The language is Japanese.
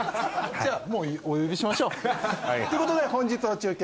じゃもうお呼びしましょう。ということで本日の中継